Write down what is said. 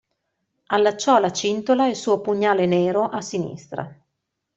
Allacciò alla cintola il suo pugnale nero a sinistra.